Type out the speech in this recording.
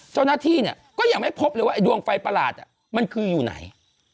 เจ้าหน้าที่เนี่ยก็ยังไม่พบเลยว่าไอดวงไฟประหลาดมันคืออยู่ไหน